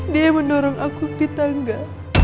dia yang mendorong aku di tangga